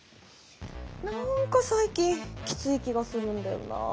なんか最近きつい気がするんだよな。